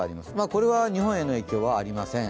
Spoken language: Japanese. これは日本への影響はありません。